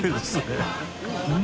うん！